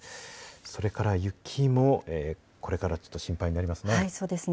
それから雪も、これから心配になりますね。